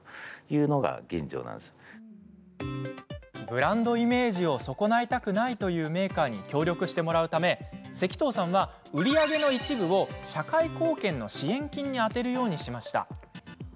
ブランドイメージを損ないたくないというメーカーに協力してもらうため関藤さんは、売り上げの一部を社会貢献の支援金に充てるようにしました。